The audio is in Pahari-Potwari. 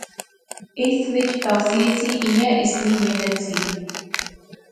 اس وچ تاثیر سی، ایہہ اس نی محنت سی